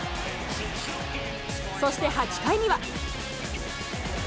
そして８回には。